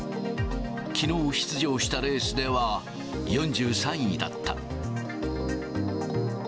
きのう出場したレースでは、４３位だった。